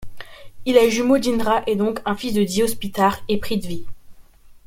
Il est jumeau d'Indra, et donc un fils de Dyaus Pitar et Prithvi.